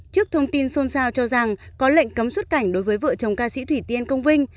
trước thông tin xôn xao cho rằng có lệnh cấm xuất cảnh đối với vợ chồng ca sĩ thủy tiên công vinh